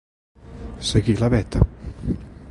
Seguir la veta.